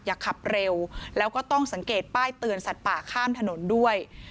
อย่าขับเร็วแล้วก็ต้องสังเกตป้ายเตือนสัตว์ป่าข้ามถนนด้วย